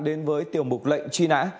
đến với tiểu mục lệnh truy nã